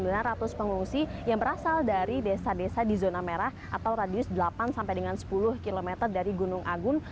kedua duanya adalah desa desa pengungsi yang berasal dari desa desa di zona merah atau radius delapan sampai dengan sepuluh km dari gunung agung